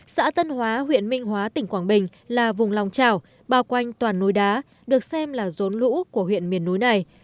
xã tân hóa huyện minh hóa tỉnh quảng bình là vùng lòng trào bao quanh toàn núi đá được xem là rốn lũ của huyện miền núi này